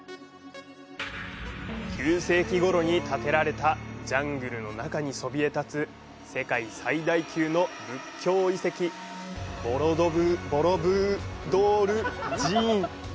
９世紀ごろに建てられたジャングルの中にそびえ立つ世界最大級の仏教遺跡、ボロブドゥール寺院。